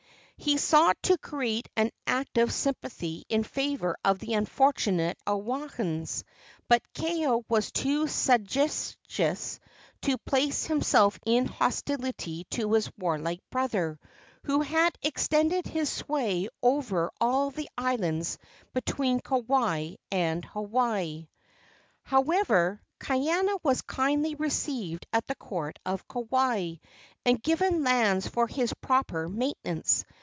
He sought to create an active sympathy in favor of the unfortunate Oahuans, but Kaeo was too sagacious to place himself in hostility to his warlike brother, who had extended his sway over all the islands between Kauai and Hawaii. However, Kaiana was kindly received at the court of Kauai, and given lands for his proper maintenance.